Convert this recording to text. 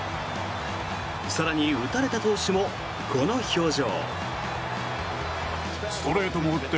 更に、打たれた投手もこの表情。